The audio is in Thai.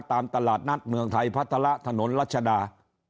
ตามตลาดนัดเมืองไทยพัฒระถนนรัชดา